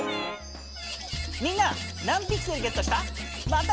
みんな何ピクセルゲットした？